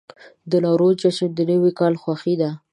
د نوروز جشن د نوي کال خوښي ده.